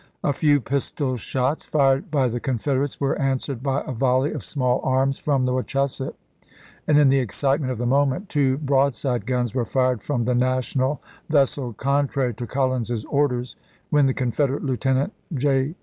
A few pistol shots, fired by the Confederates, were answered by a volley of small arms from the Wa chusett, and, in the excitement of the moment, two broadside guns were fired from the national vessel contrary to Collins's orders, when the Confederate lieutenant, J.